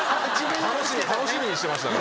楽しみにしてましたから。